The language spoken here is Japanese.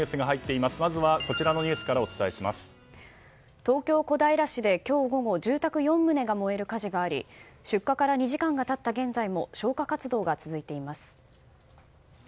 まずはこちらのニュースから東京・小平市で今日午後住宅４棟が燃える火事があり出火から２時間が経った現在も消火活動が続いています。